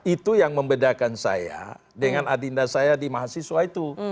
itu yang membedakan saya dengan adinda saya di mahasiswa itu